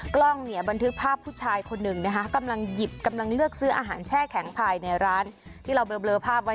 กล้องเนี่ยบันทึกภาพผู้ชายคนหนึ่งนะคะกำลังหยิบกำลังเลือกซื้ออาหารแช่แข็งภายในร้านที่เราเบลอภาพไว้